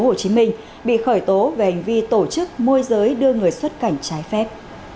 hồ chí minh bị khởi tố về hành vi tổ chức môi giới đưa người xuất cảnh trái phép